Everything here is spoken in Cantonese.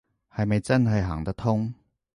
係咪真係行得通